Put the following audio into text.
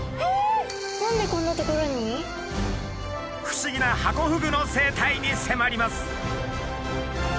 不思議なハコフグの生態に迫ります！